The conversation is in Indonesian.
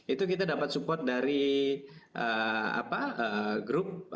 itu kita dapat support dari grup